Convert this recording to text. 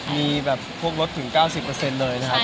มีแบบพวกลดถึง๙๐เลยนะครับ